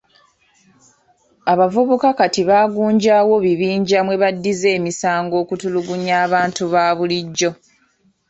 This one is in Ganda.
Abavubuka kati bagunjaawo bibinja mwe baddiza emisango okutulugunya abantu ba bulijjo.